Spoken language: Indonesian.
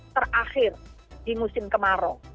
terakhir di musim kemarau